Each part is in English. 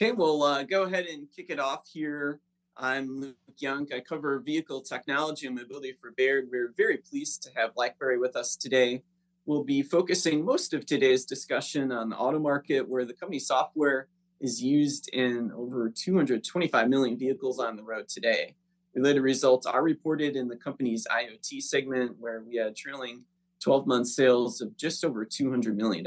Okay, we'll go ahead and kick it off here. I'm Luke Junk. I cover vehicle technology and mobility for Baird. We're very pleased to have BlackBerry with us today. We'll be focusing most of today's discussion on the auto market, where the company software is used in over 225 million vehicles on the road today. Related results are reported in the company's IoT segment, where we had trailing twelve-month sales of just over $200 million.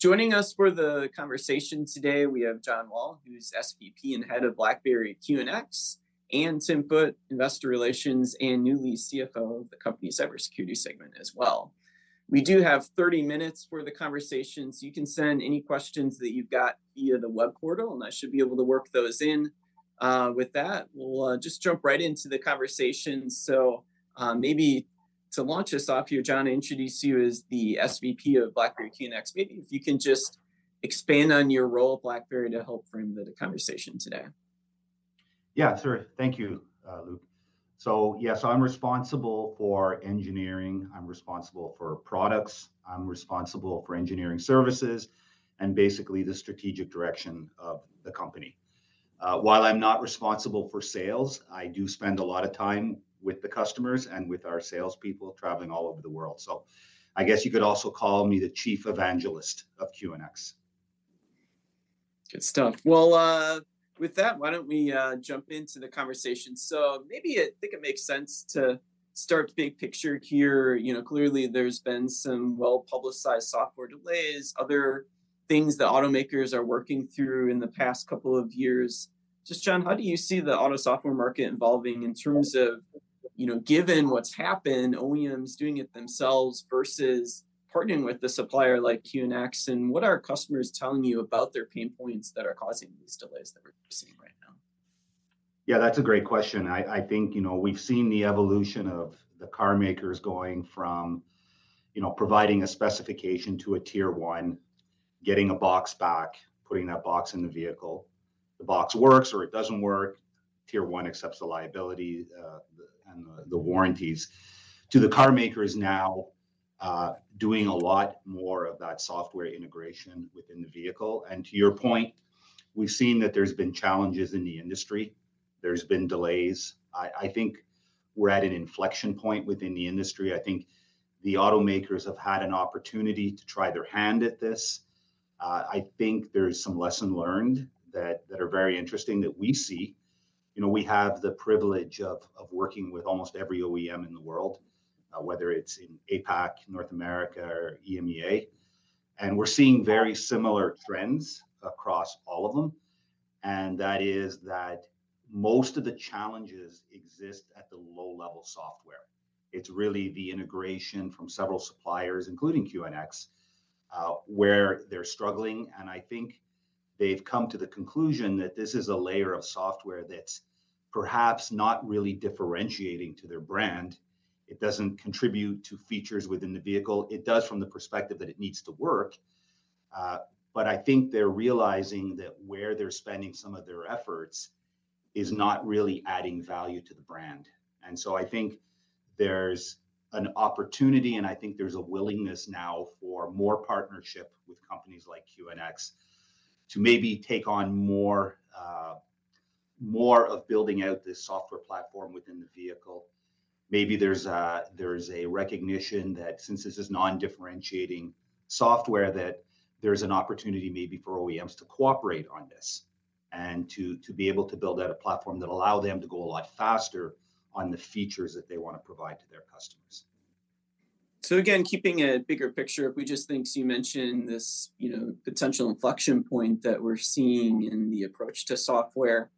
Joining us for the conversation today, we have John Wall, who's SVP and Head of BlackBerry QNX, and Tim Foote, Investor Relations and newly CFO of the company's cybersecurity segment as well. We do have 30 minutes for the conversation, so you can send any questions that you've got via the web portal, and I should be able to work those in. With that, we'll just jump right into the conversation. So, maybe to launch us off here, John, I introduced you as the SVP of BlackBerry QNX. Maybe if you can just expand on your role at BlackBerry to help frame the conversation today. Yeah, sure. Thank you, Luke. So yeah, so I'm responsible for engineering, I'm responsible for products, I'm responsible for engineering services, and basically the strategic direction of the company. While I'm not responsible for sales, I do spend a lot of time with the customers and with our salespeople traveling all over the world. So I guess you could also call me the chief evangelist of QNX. Good stuff. Well, with that, why don't we jump into the conversation? So maybe I think it makes sense to start big picture here. You know, clearly there's been some well-publicized software delays, other things that automakers are working through in the past couple of years. Just, John, how do you see the auto software market evolving in terms of, you know, given what's happened, OEMs doing it themselves versus partnering with the supplier like QNX? And what are customers telling you about their pain points that are causing these delays that we're seeing right now? Yeah, that's a great question. I think, you know, we've seen the evolution of the carmakers going from, you know, providing a specification to a Tier 1, getting a box back, putting that box in the vehicle. The box works or it doesn't work, Tier 1 accepts the liability and the warranties, to the carmakers now doing a lot more of that software integration within the vehicle. And to your point, we've seen that there's been challenges in the industry. There's been delays. I think we're at an inflection point within the industry. I think the automakers have had an opportunity to try their hand at this. I think there is some lesson learned that are very interesting that we see. You know, we have the privilege of working with almost every OEM in the world, whether it's in APAC, North America, or EMEA, and we're seeing very similar trends across all of them, and that is that most of the challenges exist at the low-level software. It's really the integration from several suppliers, including QNX, where they're struggling, and I think they've come to the conclusion that this is a layer of software that's perhaps not really differentiating to their brand. It doesn't contribute to features within the vehicle. It does from the perspective that it needs to work, but I think they're realizing that where they're spending some of their efforts is not really adding value to the brand. And so I think there's an opportunity, and I think there's a willingness now for more partnership with companies like QNX to maybe take on more, more of building out this software platform within the vehicle. Maybe there's a recognition that since this is non-differentiating software, that there's an opportunity maybe for OEMs to cooperate on this and to be able to build out a platform that'll allow them to go a lot faster on the features that they wanna provide to their customers. So again, keeping a bigger picture, we just think you mentioned this, you know, potential inflection point that we're seeing in the approach to software.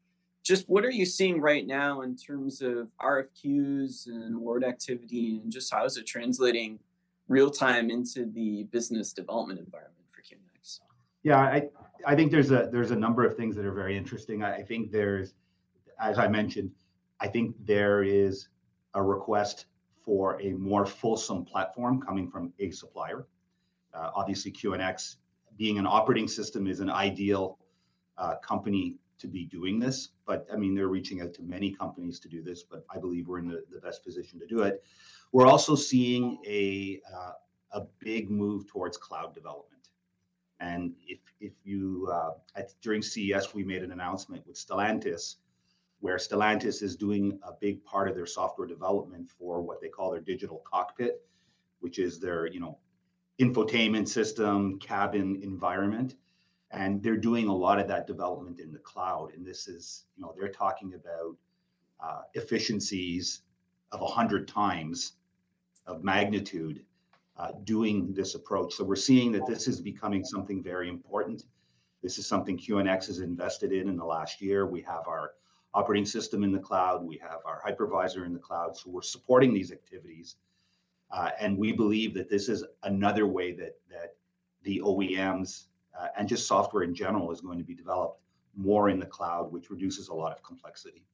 Just what are you seeing right now in terms of RFQs and award activity, and just how is it translating real time into the business development environment for QNX? Yeah, I think there's a number of things that are very interesting. As I mentioned, I think there is a request for a more fulsome platform coming from a supplier. Obviously, QNX, being an operating system, is an ideal company to be doing this, but, I mean, they're reaching out to many companies to do this. But I believe we're in the best position to do it. We're also seeing a big move towards cloud development. During CES, we made an announcement with Stellantis, where Stellantis is doing a big part of their software development for what they call their digital cockpit, which is their, you know, infotainment system, cabin environment, and they're doing a lot of that development in the cloud. This is, you know, they're talking about efficiencies of 100x of magnitude doing this approach. So we're seeing that this is becoming something very important. This is something QNX has invested in the last year. We have our operating system in the cloud, we have our hypervisor in the cloud, so we're supporting these activities. And we believe that this is another way that the OEMs and just software in general is going to be developed more in the cloud, which reduces a lot of complexity.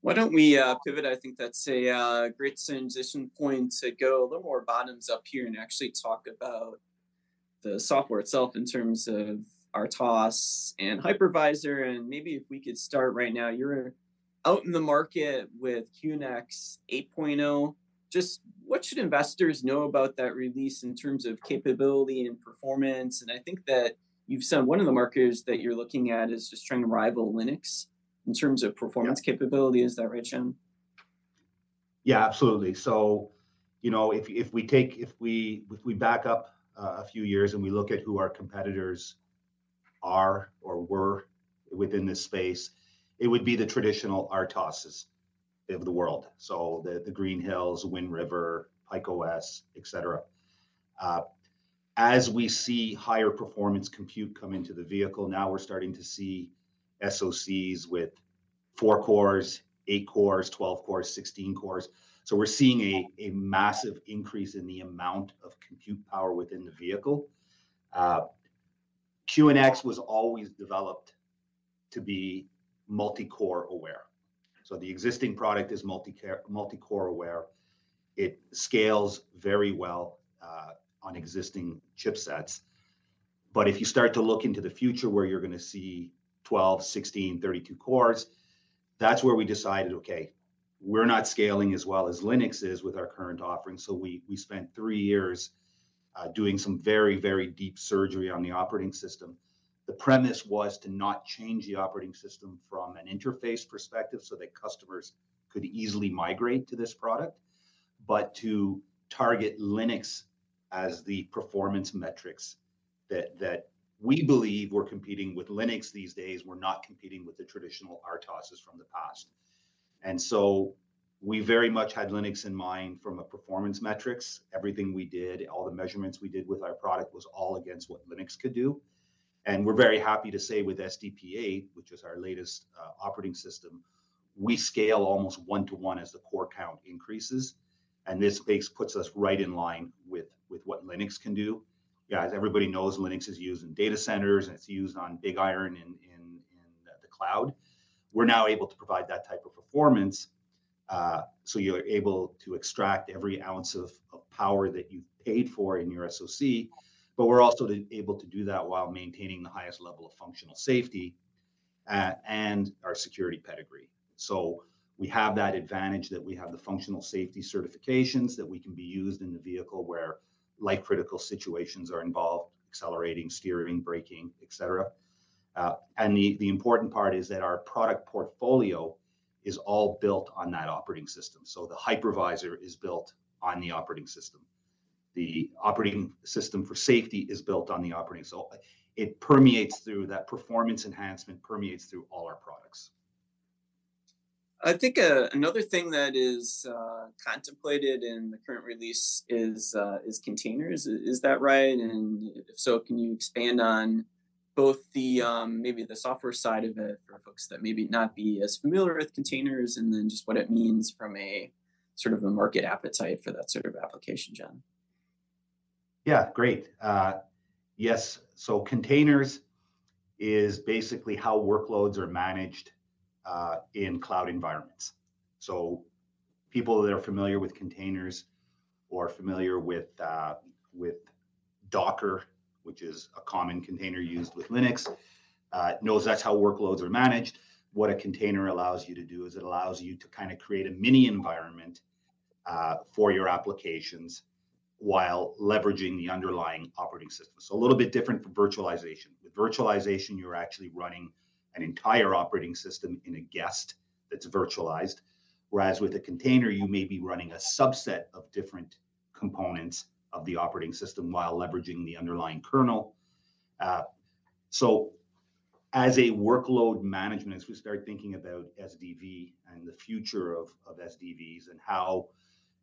Why don't we pivot? I think that's a great transition point to go a little more bottoms up here and actually talk about the software itself in terms of RTOS and hypervisor. Maybe if we could start right now, out in the market with QNX 8.0, just what should investors know about that release in terms of capability and performance? I think that you've said one of the markets that you're looking at is just trying to rival Linux in terms of performance capability. Is that right, John? Yeah, absolutely. So, you know, if we take a few years and we look at who our competitors are or were within this space, it would be the traditional RTOSs of the world, so the Green Hills, Wind River, PikeOS, et cetera. As we see higher performance compute come into the vehicle, now we're starting to see SoCs with 4 cores, 8 cores, 12 cores, 16 cores. So we're seeing a massive increase in the amount of compute power within the vehicle. QNX was always developed to be multi-core aware, so the existing product is multi-core aware. It scales very well on existing chipsets. But if you start to look into the future, where you're gonna see 12, 16, 32 cores, that's where we decided, "Okay, we're not scaling as well as Linux is with our current offering." So we spent three years doing some very, very deep surgery on the operating system. The premise was to not change the operating system from an interface perspective so that customers could easily migrate to this product, but to target Linux as the performance metrics that we believe we're competing with Linux these days. We're not competing with the traditional RTOSs from the past. And so we very much had Linux in mind from a performance metrics. Everything we did, all the measurements we did with our product, was all against what Linux could do. We're very happy to say, with SDP8, which is our latest operating system, we scale almost 1-to-1 as the core count increases, and this base puts us right in line with what Linux can do. Guys, everybody knows Linux is used in data centers, and it's used on big iron in the cloud. We're now able to provide that type of performance, so you're able to extract every ounce of power that you've paid for in your SoC. We're also able to do that while maintaining the highest level of functional safety and our security pedigree. We have that advantage that we have the functional safety certifications, that we can be used in the vehicle where life-critical situations are involved, accelerating, steering, braking, et cetera. And the important part is that our product portfolio is all built on that operating system, so the hypervisor is built on the operating system. The operating system for safety is built on the operating system. So it permeates through, that performance enhancement permeates through all our products. I think, another thing that is contemplated in the current release is containers. Is that right? And if so, can you expand on both the, maybe the software side of it for folks that may be not be as familiar with containers and then just what it means from a sort of a market appetite for that sort of application, John? Yeah, great. Yes, so containers is basically how workloads are managed in cloud environments. So people that are familiar with containers or familiar with Docker, which is a common container used with Linux, knows that's how workloads are managed. What a container allows you to do is it allows you to kinda create a mini environment for your applications while leveraging the underlying operating system. So a little bit different from virtualization. With virtualization, you're actually running an entire operating system in a guest that's virtualized, whereas with a container, you may be running a subset of different components of the operating system while leveraging the underlying kernel. So as a workload management, as we start thinking about SDV and the future of SDVs and how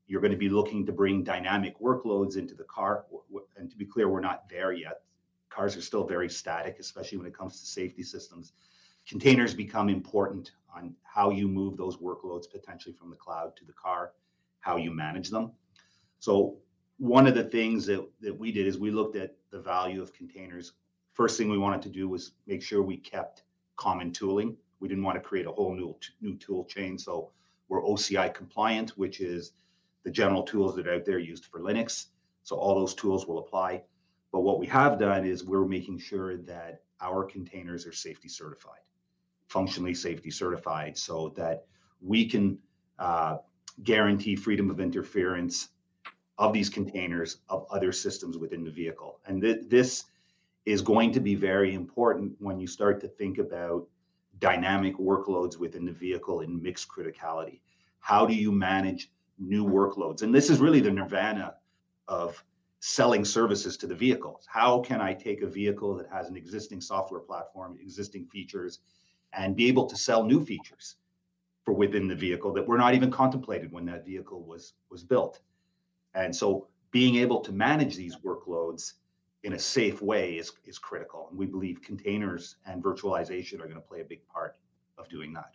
you're gonna be looking to bring dynamic workloads into the car and to be clear, we're not there yet. Cars are still very static, especially when it comes to safety systems. Containers become important on how you move those workloads, potentially from the cloud to the car, how you manage them. So one of the things that we did is we looked at the value of containers. First thing we wanted to do was make sure we kept common tooling. We didn't wanna create a whole new tool chain, so we're OCI compliant, which is the general tools that are out there used for Linux. So all those tools will apply. But what we have done is we're making sure that our containers are safety certified, functionally safety certified, so that we can guarantee freedom of interference of these containers of other systems within the vehicle. This is going to be very important when you start to think about dynamic workloads within the vehicle in mixed criticality. How do you manage new workloads? And this is really the nirvana of selling services to the vehicles. How can I take a vehicle that has an existing software platform, existing features, and be able to sell new features for within the vehicle that were not even contemplated when that vehicle was built? Being able to manage these workloads in a safe way is critical, and we believe containers and virtualization are gonna play a big part of doing that.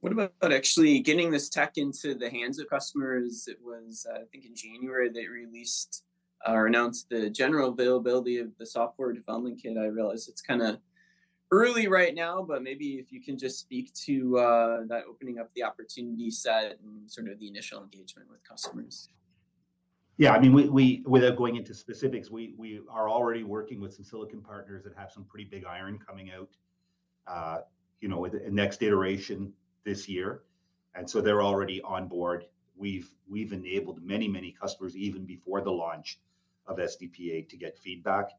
What about actually getting this tech into the hands of customers? It was, I think, in January, they released or announced the general availability of the software development kit. I realize it's kinda early right now, but maybe if you can just speak to that opening up the opportunity set and sort of the initial engagement with customers. Yeah, I mean, we without going into specifics, we are already working with some silicon partners that have some pretty big iron coming out, you know, with the next iteration this year, and so they're already on board. We've enabled many, many customers, even before the launch of SDP 8.0, to get feedback.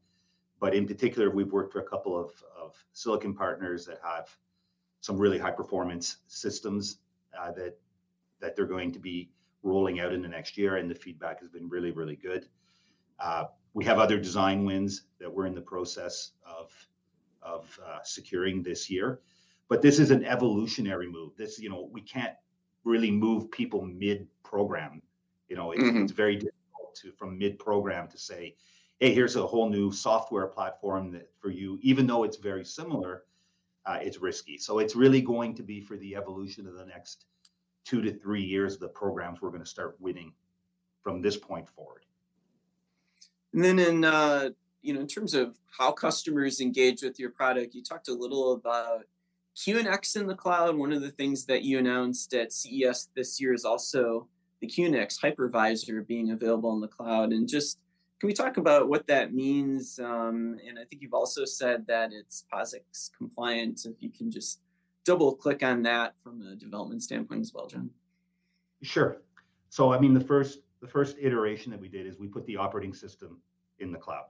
But in particular, we've worked with a couple of silicon partners that have some really high-performance systems that they're going to be rolling out in the next year, and the feedback has been really, really good. We have other design wins that we're in the process of securing this year, but this is an evolutionary move. This, you know, we can't really move people mid-program, you know? It's very difficult to, from mid-program, to say, "Hey, here's a whole new software platform that, for you." Even though it's very similar, it's risky. So it's really going to be for the evolution of the next two to three years of the programs we're gonna start winning from this point forward. And then in, you know, in terms of how customers engage with your product, you talked a little about QNX in the cloud. One of the things that you announced at CES this year is also the QNX Hypervisor being available in the cloud. And just, can we talk about what that means? And I think you've also said that it's POSIX compliant, so if you can just double-click on that from a development standpoint as well, John. The first iteration that we did is we put the operating system in the cloud,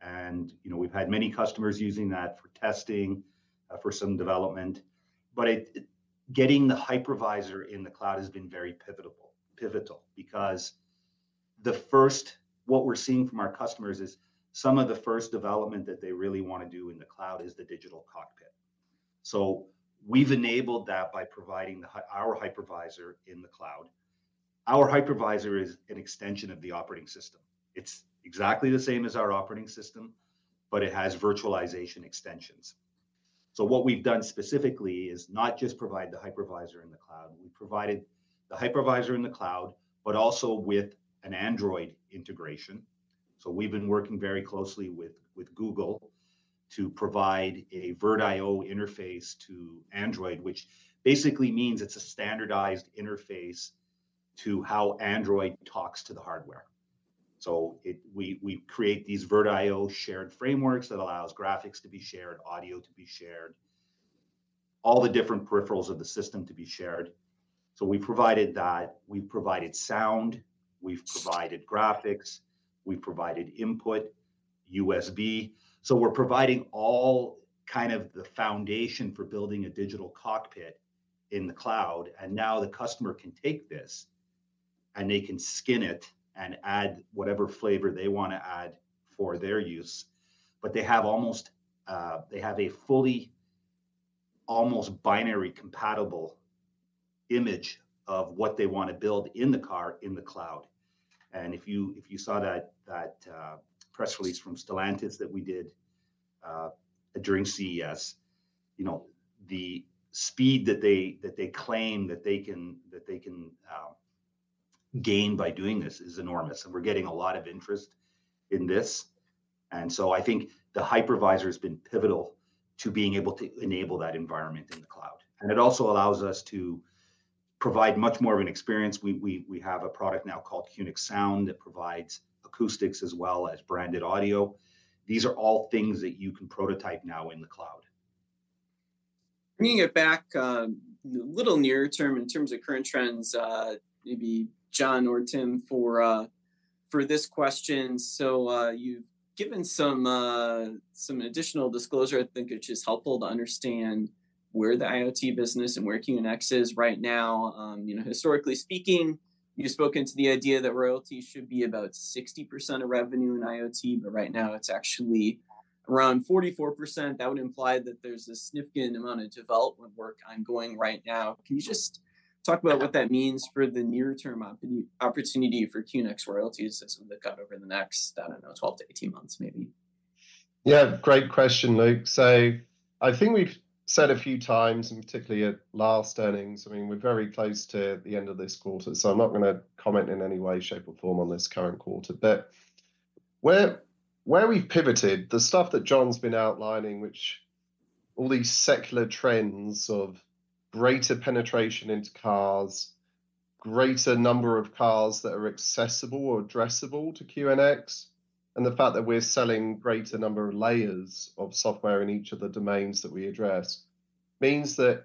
and, you know, we've had many customers using that for testing, for some development. Getting the hypervisor in the cloud has been very pivotal because the first—what we're seeing from our customers is some of the first development that they really wanna do in the cloud is the digital cockpit. So we've enabled that by providing our hypervisor in the cloud. Our hypervisor is an extension of the operating system. It's exactly the same as our operating system, but it has virtualization extensions. So what we've done specifically is not just provide the hypervisor in the cloud, we provided the hypervisor in the cloud, but also with an Android integration. So we've been working very closely with Google to provide a VirtIO interface to Android, which basically means it's a standardized interface to how Android talks to the hardware. So we create these VirtIO shared frameworks that allows graphics to be shared, audio to be shared, all the different peripherals of the system to be shared. So we provided that. We've provided sound, we've provided graphics, we've provided input, USB. So we're providing all kind of the foundation for building a digital cockpit in the cloud, and now the customer can take this, and they can skin it and add whatever flavor they wanna add for their use. But they have almost, they have a fully almost binary-compatible image of what they wanna build in the car, in the cloud. And if you saw that press release from Stellantis that we did during CES, you know, the speed that they claim that they can gain by doing this is enormous, and we're getting a lot of interest in this. I think the hypervisor has been pivotal to being able to enable that environment in the cloud, and it also allows us to provide much more of an experience. We have a product now called QNX Sound that provides acoustics as well as branded audio. These are all things that you can prototype now in the cloud. Bringing it back, a little near term, in terms of current trends, maybe John or Tim for this question. So, you've given some additional disclosure. I think it's just helpful to understand where the IoT business and where QNX is right now. You know, historically speaking, you've spoken to the idea that royalty should be about 60% of revenue in IoT, but right now it's actually around 44%. That would imply that there's a significant amount of development work ongoing right now. Can you just talk about what that means for the near-term opportunity for QNX royalties that come over the next, I don't know, 12-18 months, maybe? Yeah, great question, Luke. So I think we've said a few times, and particularly at last earnings, I mean, we're very close to the end of this quarter, so I'm not gonna comment in any way, shape, or form on this current quarter. But where we've pivoted, the stuff that John's been outlining, which all these secular trends of greater penetration into cars, greater number of cars that are accessible or addressable to QNX, and the fact that we're selling greater number of layers of software in each of the domains that we address, means that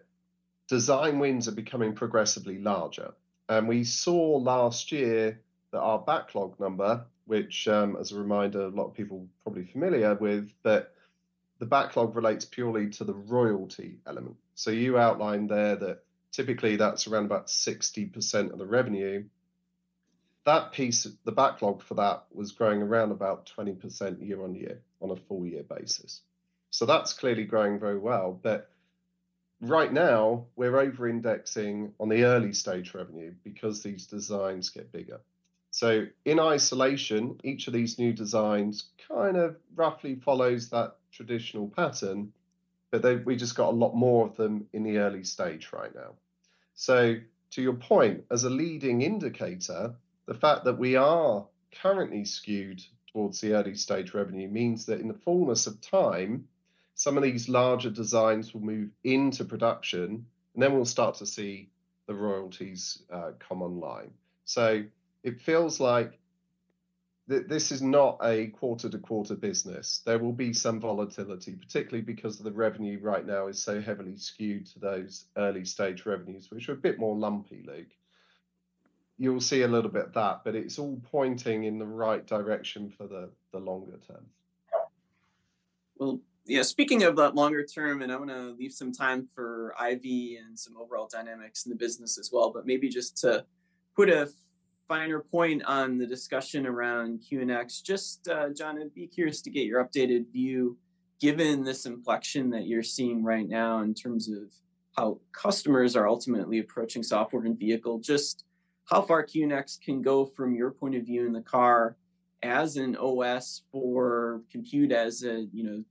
design wins are becoming progressively larger. And we saw last year that our backlog number, which, as a reminder, a lot of people are probably familiar with, but the backlog relates purely to the royalty element. So you outlined there that typically that's around about 60% of the revenue. That piece, the backlog for that, was growing around about 20% year-on-year on a full year basis. So that's clearly growing very well. But right now, we're over-indexing on the early-stage revenue because these designs get bigger. So in isolation, each of these new designs kind of roughly follows that traditional pattern, but we just got a lot more of them in the early stage right now. So to your point, as a leading indicator, the fact that we are currently skewed towards the early-stage revenue means that in the fullness of time, some of these larger designs will move into production, and then we'll start to see the royalties come online. So it feels like this is not a quarter-to-quarter business. There will be some volatility, particularly because the revenue right now is so heavily skewed to those early-stage revenues, which are a bit more lumpy, Luke. You'll see a little bit of that, but it's all pointing in the right direction for the longer term. Well, yeah, speaking of that longer term, and I wanna leave some time for IVY and some overall dynamics in the business as well, but maybe just to put a finer point on the discussion around QNX, just, John, I'd be curious to get your updated view, given this inflection that you're seeing right now in terms of how customers are ultimately approaching software and vehicle. Just how far QNX can go from your point of view in the car as an OS for compute, as a, you know,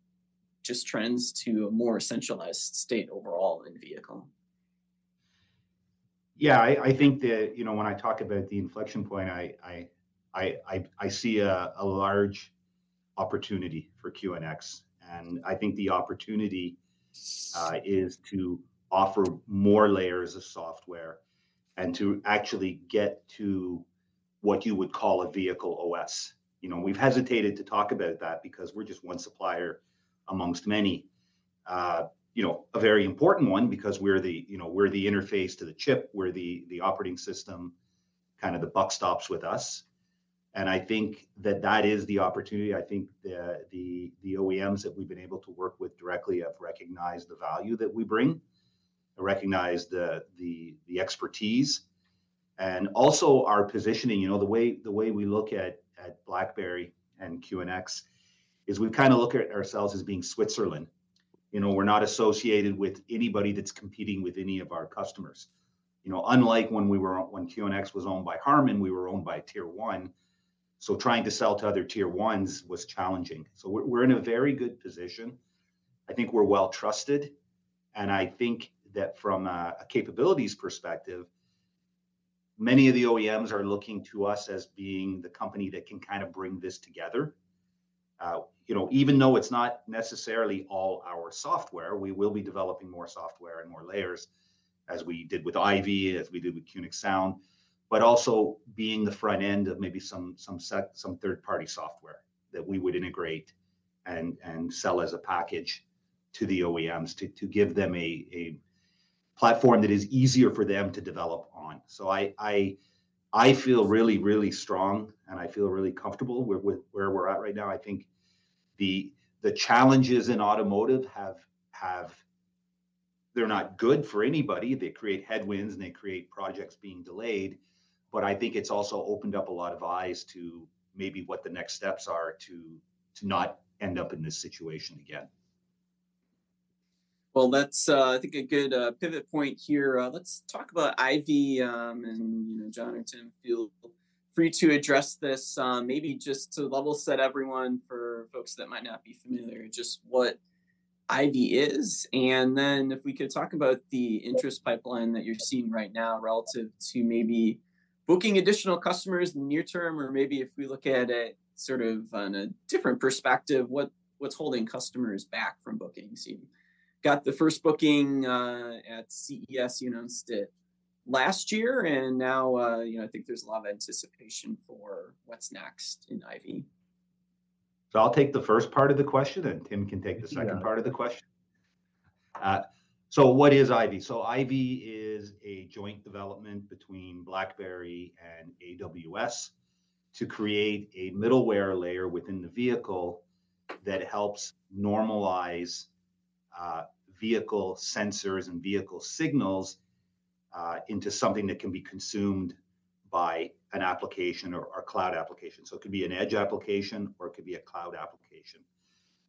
just trends to a more centralized state overall in vehicle? Yeah, I think that, you know, when I talk about the inflection point, I see a large opportunity for QNX. And I think the opportunity is to offer more layers of software and to actually get to what you would call a vehicle OS. You know, we've hesitated to talk about that because we're just one supplier amongst many. You know, a very important one because we're the, you know, we're the interface to the chip. We're the operating system, kind of the buck stops with us, and I think that that is the opportunity. I think the OEMs that we've been able to work with directly have recognized the value that we bring and recognized the expertise. And also our positioning, you know, the way, the way we look at, at BlackBerry and QNX is we kind of look at ourselves as being Switzerland. You know, we're not associated with anybody that's competing with any of our customers. You know, unlike when we were. When QNX was owned by Harman, we were owned by Tier 1, so trying to sell to other Tier 1s was challenging. So we're, we're in a very good position. I think we're well trusted, and I think that from a, a capabilities perspective, many of the OEMs are looking to us as being the company that can kind of bring this together. You know, even though it's not necessarily all our software, we will be developing more software and more layers, as we did with IVY, as we did with QNX Sound. But also being the front end of maybe some set of third-party software that we would integrate and sell as a package to the OEMs, to give them a platform that is easier for them to develop on. So I feel really strong, and I feel really comfortable with where we're at right now. I think the challenges in automotive have. They're not good for anybody. They create headwinds, and they create projects being delayed, but I think it's also opened up a lot of eyes to maybe what the next steps are to not end up in this situation again. Well, that's a good pivot point here. Let's talk about IVY. You know, John or Tim, feel free to address this. Maybe just to level set everyone for folks that might not be familiar, just what IVY is, and then if we could talk about the interest pipeline that you're seeing right now relative to maybe booking additional customers in the near term. Or maybe if we look at it sort of on a different perspective, what's holding customers back from bookings? You got the first booking at CES, you announced it last year, and now, you know, I think there's a lot of anticipation for what's next in IVY. So I'll take the first part of the question, and Tim can take the second part of the question. So what is IVY? So IVY is a joint development between BlackBerry and AWS to create a middleware layer within the vehicle that helps normalize, vehicle sensors and vehicle signals, into something that can be consumed by an application or a cloud application. So it could be an edge application, or it could be a cloud application.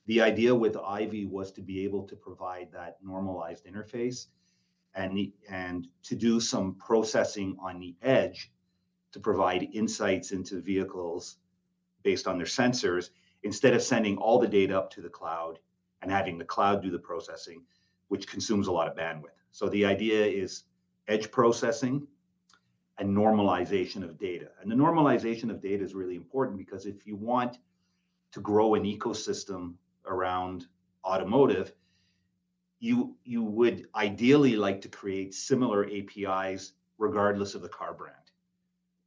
The idea with IVY was to be able to provide that normalized interface and to do some processing on the edge to provide insights into vehicles based on their sensors, instead of sending all the data up to the cloud and having the cloud do the processing, which consumes a lot of bandwidth. So the idea is edge processing and normalization of data. The normalization of data is really important because if you want to grow an ecosystem around automotive, you would ideally like to create similar APIs regardless of the car brand,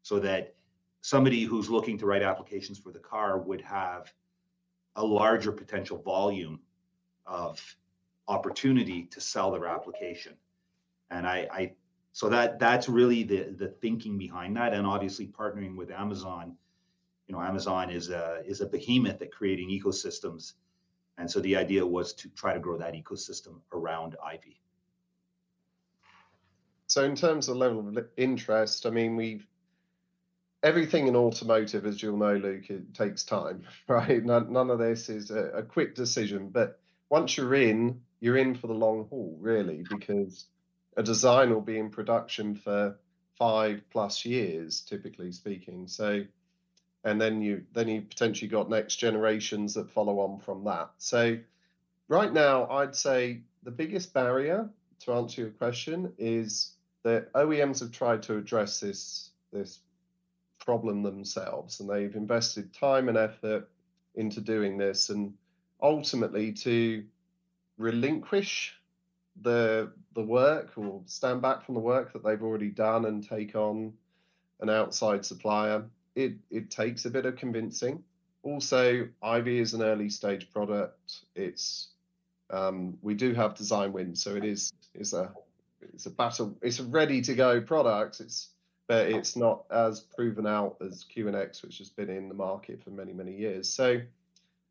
so that somebody who's looking to write applications for the car would have a larger potential volume of opportunity to sell their application. So that's really the thinking behind that, and obviously, partnering with Amazon. You know, Amazon is a behemoth at creating ecosystems, and so the idea was to try to grow that ecosystem around IVY. So in terms of level of interest, I mean, we've everything in automotive, as you'll know, Luke, it takes time, right? None of this is a quick decision. But once you're in, you're in for the long haul really, because a design will be in production for 5+ years, typically speaking. So and then you, then you've potentially got next generations that follow on from that. So right now, I'd say the biggest barrier, to answer your question, is that OEMs have tried to address this problem themselves, and they've invested time and effort into doing this, and ultimately to relinquish the work or stand back from the work that they've already done and take on an outside supplier, it takes a bit of convincing. Also, IVY is an early-stage product. We do have design wins, so it is, it's a battle. It's a ready-to-go product. But it's not as proven out as QNX, which has been in the market for many, many years. So,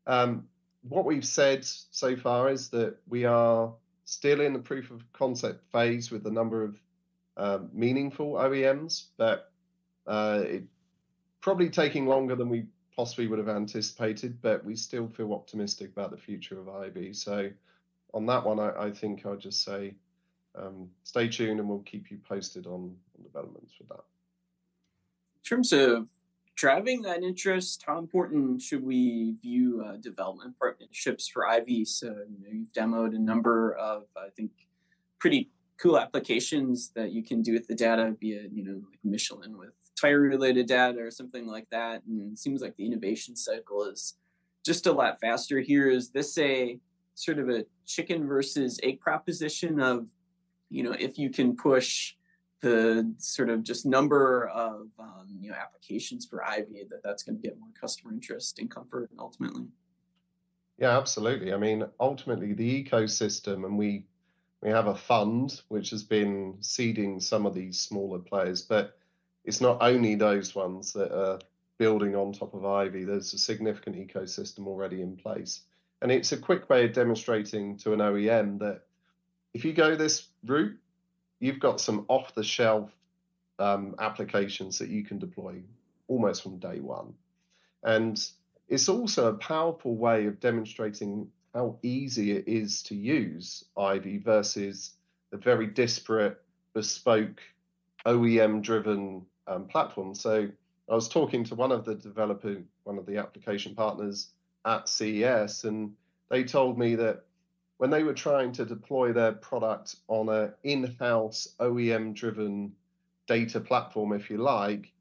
what we've said so far is that we are still in the proof of concept phase with a number of meaningful OEMs, but it probably taking longer than we possibly would have anticipated, but we still feel optimistic about the future of IVY. So on that one, I think I'll just say, stay tuned, and we'll keep you posted on developments with that. In terms of driving that interest, how important should we view development partnerships for IVY? So, you know, you've demoed a number of, I think, pretty cool applications that you can do with the data, be it, you know, like Michelin with tire-related data or something like that, and it seems like the innovation cycle is just a lot faster here. Is this a sort of a chicken versus egg proposition of, you know, if you can push the sort of just number of, you know, applications for IVY, that that's gonna get more customer interest and comfort ultimately? Yeah, absolutely. I mean, ultimately, the ecosystem, and we, we have a fund, which has been seeding some of these smaller players, but it's not only those ones that are building on top of IVY. There's a significant ecosystem already in place, and it's a quick way of demonstrating to an OEM that if you go this route, you've got some off-the-shelf, applications that you can deploy almost from day one. And it's also a powerful way of demonstrating how easy it is to use IVY versus the very disparate, bespoke, OEM-driven, platform. So I was talking to one of the application partners at CES, and they told me that when they were trying to deploy their product on an in-house, OEM-driven data platform, if you like,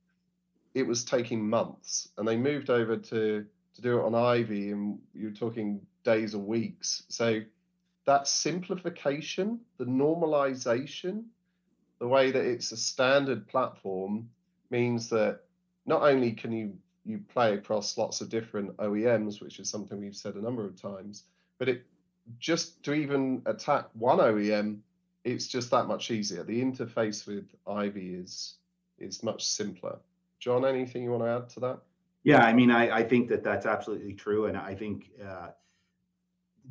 it was taking months, and they moved over to do it on IVY, and you're talking days and weeks. So that simplification, the normalization, the way that it's a standard platform, means that not only can you play across lots of different OEMs, which is something we've said a number of times, but it just to even attack one OEM, it's just that much easier. The interface with IVY is much simpler. John, anything you want to add to that? Yeah, I mean, I think that that's absolutely true, and I think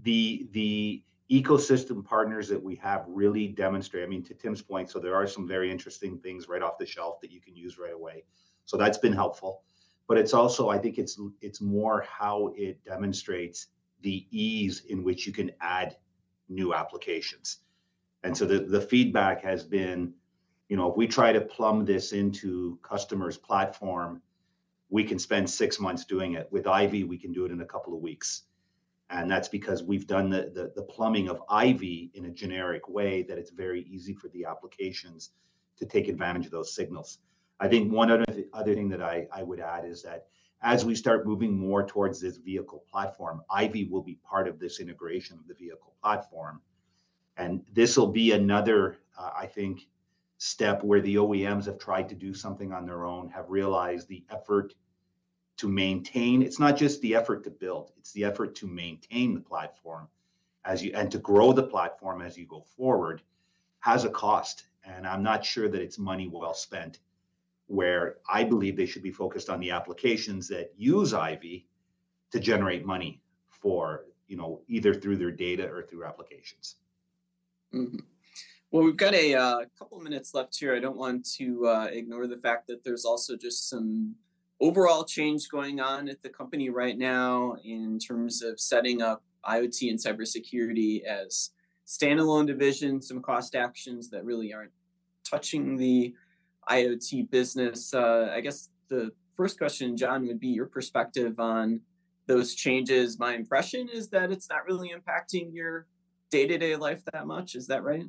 the ecosystem partners that we have really demonstrate. I mean, to Tim's point, so there are some very interesting things right off the shelf that you can use right away. So that's been helpful, but it's also, I think, it's more how it demonstrates the ease in which you can add new applications. And so the feedback has been, you know, if we try to plumb this into customer's platform, we can spend six months doing it. With IVY, we can do it in a couple of weeks, and that's because we've done the plumbing of IVY in a generic way that it's very easy for the applications to take advantage of those signals. I think one other thing that I would add is that as we start moving more towards this vehicle platform, IVY will be part of this integration of the vehicle platform, and this will be another step where the OEMs have tried to do something on their own, have realized the effort to maintain. It's not just the effort to build, it's the effort to maintain the platform as you go forward and to grow the platform as you go forward, has a cost, and I'm not sure that it's money well spent, where I believe they should be focused on the applications that use IVY to generate money for, you know, either through their data or through applications. Well, we've got a couple minutes left here. I don't want to ignore the fact that there's also just some overall change going on at the company right now in terms of setting up IoT and cybersecurity as standalone divisions, some cost actions that really aren't touching the IoT business. I guess the first question, John, would be your perspective on those changes. My impression is that it's not really impacting your day-to-day life that much. Is that right?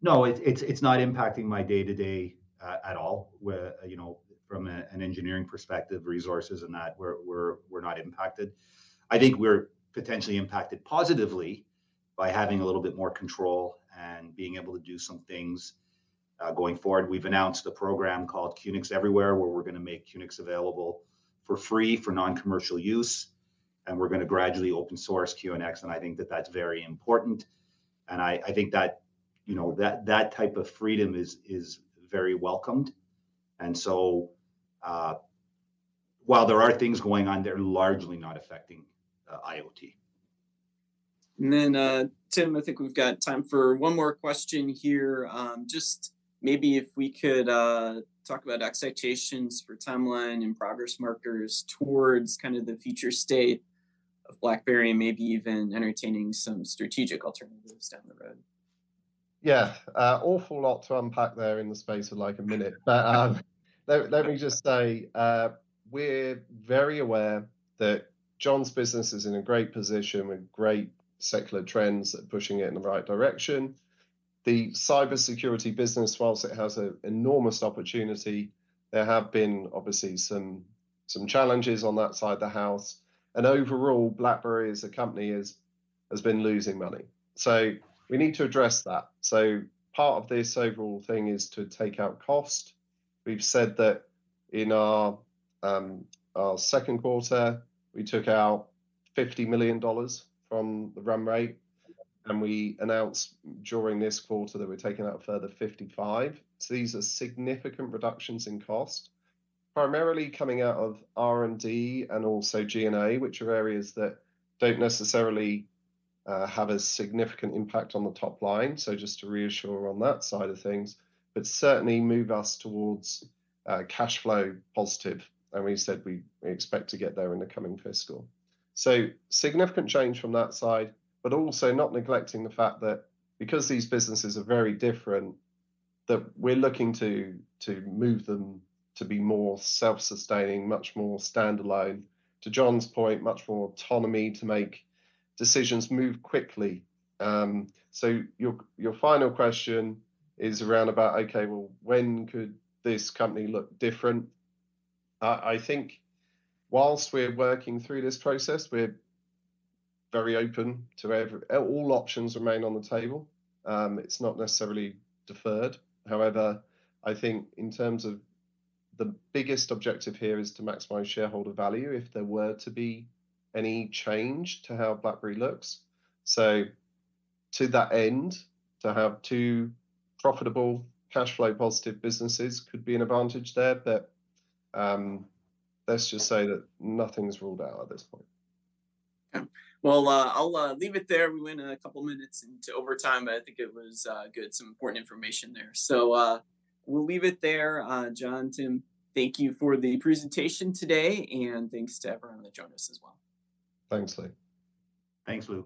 No, it's not impacting my day-to-day at all, you know, from an engineering perspective, resources and that, we're not impacted. I think we're potentially impacted positively by having a little bit more control and being able to do some things going forward. We've announced a program called QNX Everywhere, where we're gonna make QNX available for free for non-commercial use, and we're gonna gradually open source QNX, and I think that's very important. I think that, you know, that type of freedom is very welcomed, and so while there are things going on, they're largely not affecting IoT. And then, Tim, I think we've got time for one more question here. Just maybe if we could, talk about expectations for timeline and progress markers towards kind of the future state of BlackBerry and maybe even entertaining some strategic alternatives down the road. Yeah. Awful lot to unpack there in the space of, like, a minute. But, let me just say, we're very aware that John's business is in a great position with great secular trends that are pushing it in the right direction. The cybersecurity business, while it has an enormous opportunity, there have been, obviously, some challenges on that side of the house. And overall, BlackBerry as a company is has been losing money, so we need to address that. So part of this overall thing is to take out cost. We've said that in our second quarter, we took out $50 million from the run rate, and we announced during this quarter that we're taking out a further $55 million. So these are significant reductions in cost, primarily coming out of R&D and also G&A, which are areas that don't necessarily have a significant impact on the top line, so just to reassure on that side of things, but certainly move us towards cash flow positive, and we said we expect to get there in the coming fiscal. So significant change from that side, but also not neglecting the fact that because these businesses are very different, that we're looking to move them to be more self-sustaining, much more standalone. To John's point, much more autonomy to make decisions, move quickly. So your final question is around about, okay, well, when could this company look different? I think whilst we're working through this process, we're very open to every. All options remain on the table. It's not necessarily deferred. However, I think in terms of the biggest objective here is to maximize shareholder value, if there were to be any change to how BlackBerry looks. So to that end, to have two profitable cash flow positive businesses could be an advantage there. But, let's just say that nothing's ruled out at this point. Yeah. Well, I'll leave it there. We went a couple minutes into overtime, but I think it was good, some important information there. So, we'll leave it there. John, Tim, thank you for the presentation today, and thanks to everyone that joined us as well. Thanks, Luke. Thanks, Luke.